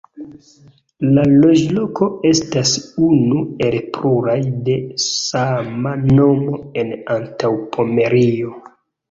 La loĝloko estas unu el pluraj de sama nomo en Antaŭpomerio.